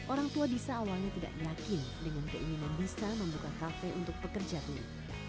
orang tua disa awalnya tidak yakin dengan keinginan disa membuka cafe untuk pekerja dulu